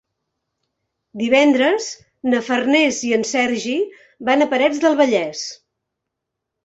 Divendres na Farners i en Sergi van a Parets del Vallès.